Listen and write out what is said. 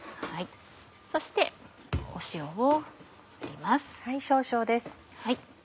そして塩を振ります。